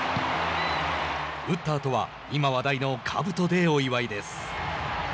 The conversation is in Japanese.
打ったあとは今、話題のかぶとでお祝いです。